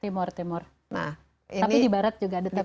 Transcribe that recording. timur timur tapi di barat juga ada